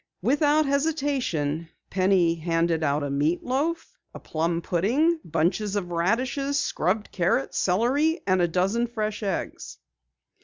Without hesitation, Penny handed out a meat loaf, a plum pudding, bunches of radishes, scrubbed carrots, celery, and a dozen fresh eggs.